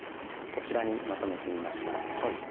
こちらにまとめてみました。